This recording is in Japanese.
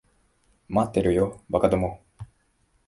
待ってろよ、馬鹿ども。